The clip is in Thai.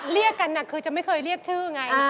เรียกกันคือจะไม่เคยเรียกชื่อไง